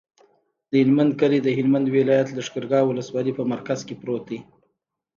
د هلمند کلی د هلمند ولایت، لښکرګاه ولسوالي په مرکز کې پروت دی.